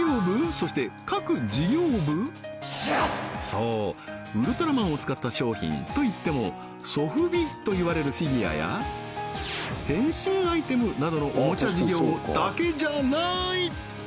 そうウルトラマンを使った商品といってもソフビといわれるフィギュアや変身アイテムなどのおもちゃ事業だけじゃなーい！